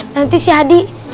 nanti si hadih